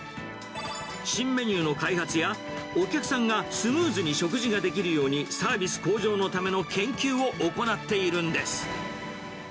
新メニューの開発や、お客さんがスムーズに食事ができるようにサービス向上のための研究を行っているんです。